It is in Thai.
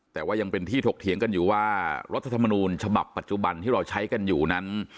แต่ว่ายังเป็นที่ถกเถียงกันอยู่ว่ารัฐธรรมนูญฉบับปัจจุบันที่เราใช้กันอยู่นั้น